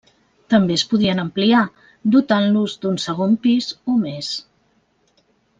També es podien ampliar, dotant-los d'un segon pis o més.